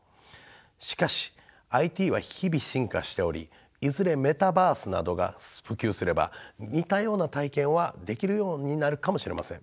しかしＩＴは日々進化しておりいずれメタバースなどが普及すれば似たような体験はできるようになるかもしれません。